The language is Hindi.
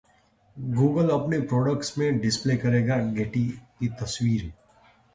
Google अपने प्रोडक्ट्स में डिस्प्ले करेगा Getty की तस्वीरें